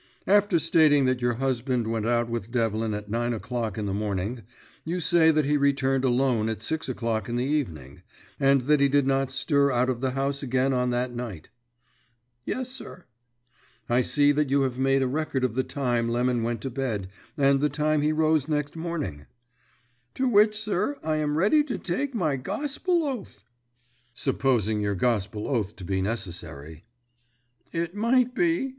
"After stating that your husband went out with Devlin at nine o'clock in the morning, you say that he returned alone at six o'clock in the evening, and that he did not stir out of the house again on that night." "Yes, sir." "I see that you have made a record of the time Lemon went to bed and the time he rose next morning." "To which, sir, I am ready to take my gospel oath." "Supposing your gospel oath to be necessary." "It might be.